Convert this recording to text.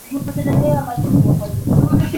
anatuelezea kile kilichojiri juma hili